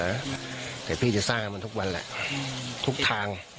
เดี๋ยวพี่จะสร้างให้มันทุกวันเลยทุกทาง